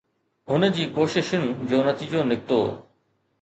هن جي ڪوششن جو نتيجو نڪتو.